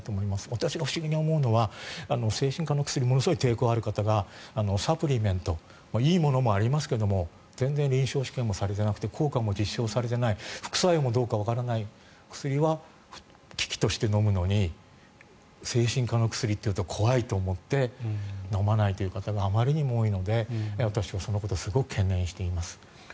私も不思議に思うのは精神科の薬にものすごい抵抗がある方がサプリメントいいものもありますが全然、臨床試験もされていなくて効果も実証されていない副作用もどうかわからない薬は喜々として飲むのに精神科の薬っていうと怖いと思って飲まないという方があまりにも多いので私はそのことをすごく懸念しています。